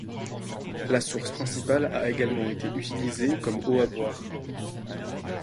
La source principale a également été utilisée comme eau à boire.